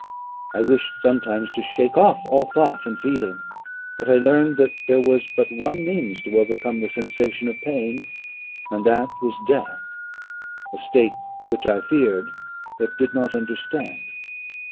I wished sometimes to shake off all thought and feeling; but I learned that there was but one means to overcome the sensation of pain, and that was death a state which I feared yet did not understand.